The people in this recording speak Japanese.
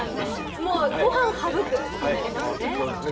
もうごはん省く！ってなりますね。